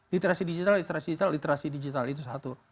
literasi digital literasi digital literasi digital itu satu